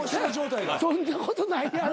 そんなことないやろ。